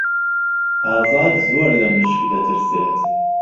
ئازاد زۆر لە مشک دەترسێت.